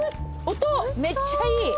音めっちゃいい。